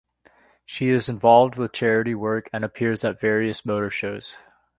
She is involved with charity work and appears at various motor shows.